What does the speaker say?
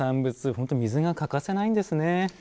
本当に水が欠かせないんですね。